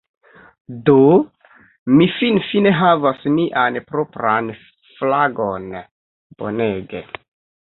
Do, mi finfine havas mian propran flagon! Bonege!